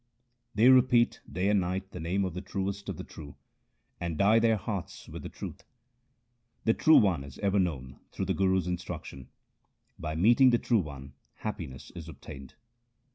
They repeat day and night the name of the Truest of the true, and dye their hearts with the truth. The True One is ever known through the Guru's instruc tion ; by meeting the True One happiness is obtained.